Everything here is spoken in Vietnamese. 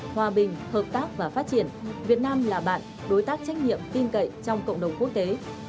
hòa bình hợp tác và phát triển việt nam là bạn đối tác trách nhiệm tin cậy trong cộng đồng quốc tế